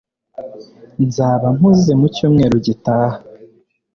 nzaba mpuze mu cyumweru gitaha